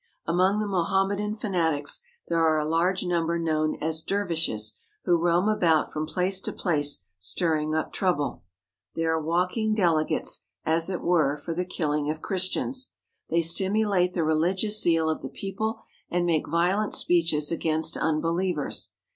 Among the Mohammedan fanatics there are a large number known as dervishes, who roam about from place to place stirring up trouble. They are walking delegates, 278 ARMENIA, THE SUFFERING as it were, for the killing of Christians. They stimulate the religious zeal of the people and make violent speeches against unbelievers.